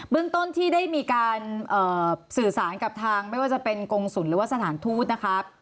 เรื่องต้นที่ได้มีการสื่อสารกับทางไม่ว่าจะเป็นกงศุลหรือว่าสถานทูตนะครับ